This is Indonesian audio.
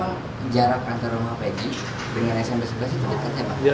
berarti emang jarak antar rumah peggy dengan smp sebelas itu dekat ya pak